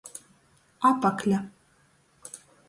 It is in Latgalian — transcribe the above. Apakle.